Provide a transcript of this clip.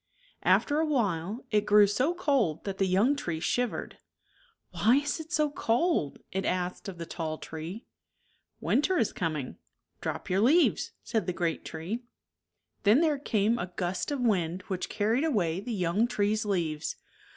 After a while, it grew so cold that the young tree shivered. " Why is it so cold ?" it asked of the tall tree. " Winter is coming. Drop your leaves," said the great tree. Then there came a gust of wind which carried away the young tree's leaves.